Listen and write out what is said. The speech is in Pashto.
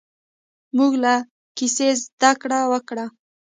موږ له کیسې زده کړه وکړه.